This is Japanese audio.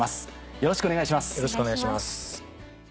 よろしくお願いします。